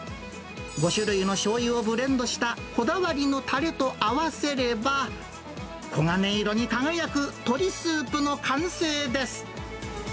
５種類のしょうゆをブレンドしたこだわりのたれと合わせれば、黄金色に輝く鶏スープの完成です。